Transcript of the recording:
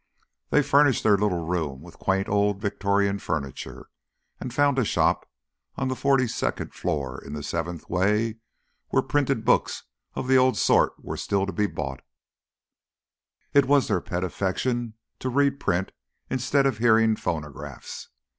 They furnished their little room with quaint old Victorian furniture, and found a shop on the forty second floor in Seventh Way where printed books of the old sort were still to be bought. It was their pet affectation to read print instead of hearing phonographs.